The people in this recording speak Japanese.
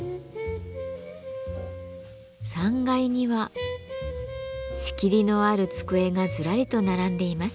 ３階には仕切りのある机がずらりと並んでいます。